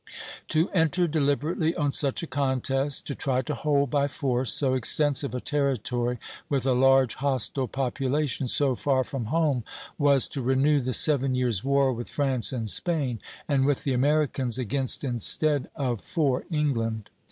To enter deliberately on such a contest, to try to hold by force so extensive a territory, with a large hostile population, so far from home, was to renew the Seven Years' War with France and Spain, and with the Americans, against, instead of for, England.